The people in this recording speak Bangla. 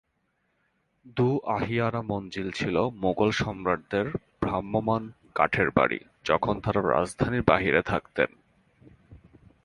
দো-আহিয়ানা মঞ্জিল ছিলো মুঘল সম্রাটদের ভ্রাম্যমাণ কাঠের বাড়ি, যখন তারা রাজধানীর বাহিরে থাকতেন।